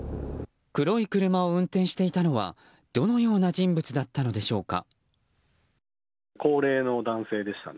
黒い車を運転していたのはどのような人物だったのでしょうか。